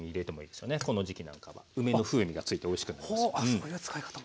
そういう使い方も。